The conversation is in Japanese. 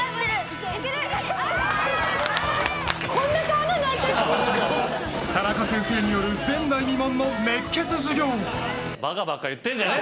タナカ先生による前代未聞の熱血授業。